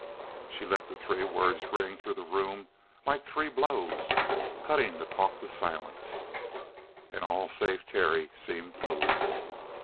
She let the three words ring through the room like three blows, cutting the talk to silence. And all save Terry seemed moved.